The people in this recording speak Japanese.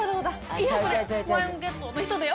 いやそれフライングゲットの人だよ。